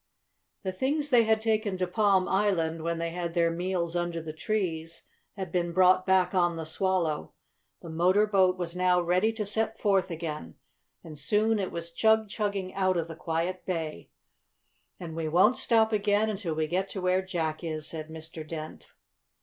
The things they had taken to Palm Island, when they had their meals under the trees, had been brought back on the Swallow. The motor boat was now ready to set forth again, and soon it was chug chugging out of the quiet bay. "And we won't stop again until we get to where Jack is," said Mr. Dent.